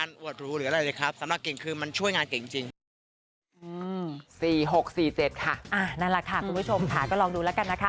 นั่นแหละค่ะคุณผู้ชมค่ะก็ลองดูแล้วกันนะคะ